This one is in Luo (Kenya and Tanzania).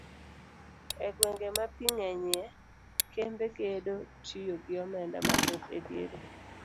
E gwenge ma pii ng'enyie, kembe gedo tiyo gi omenda mathoth e gedo.